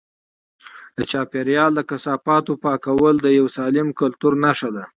د چاپیریال د کثافاتو پاکول د یو سالم کلتور نښه ده.